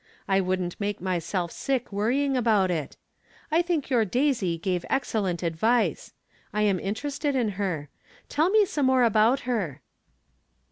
I wouldn't make myself sick worrying about it. I tliink your Daisy gave excellent advice. I am interested in her. Tell me some more about her.